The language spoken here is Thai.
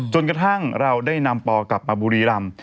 กระทั่งเราได้นำปอกลับมาบุรีรำ